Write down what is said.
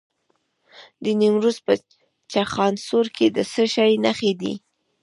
د نیمروز په چخانسور کې د څه شي نښې دي؟